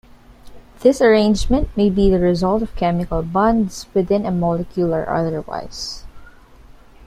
This arrangement may be the result of chemical bonds within a molecule or otherwise.